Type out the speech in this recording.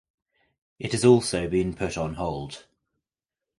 It has also been put on hold.